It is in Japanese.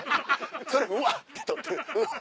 それうわ！って捕ってうわ！